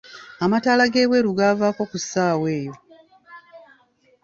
Amataala g'ebweru gaavako ku ssaawa eyo.